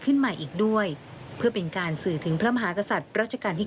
ขึ้นมาอีกด้วยเพื่อเป็นการสื่อถึงพระมหากษัตริย์รัชกาลที่๙